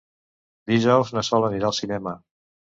Dijous na Sol anirà al cinema.